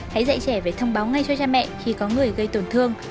hãy dạy trẻ phải thông báo ngay cho cha mẹ khi có người gây tổn thương